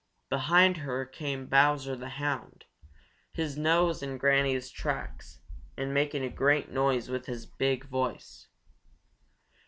Behind her came Bowser the Hound, his nose in Granny's tracks, and making a great noise with his big voice.